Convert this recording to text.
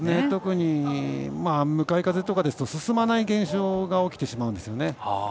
特に向かい風とかだと進まない現象が起きてしまうんですよね。